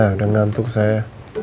udah ngantuk saya